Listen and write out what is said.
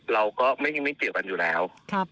เราก็ไม่เกี่ยวกันอยู่แล้ว